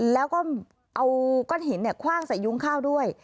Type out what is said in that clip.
แล้วก็เอาก้อนหินคว่างใส่ยุ้งข้าวด้วย